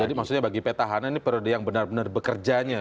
jadi maksudnya bagi petahannya ini periode yang benar benar bekerjanya